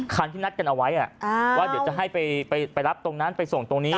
คันที่นัดกันเอาไว้จะให้รับไปรับตรงนั้นไปส่งตรงนี้